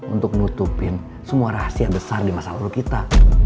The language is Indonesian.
untuk nutupin semua rahasia besar di masa lalu kita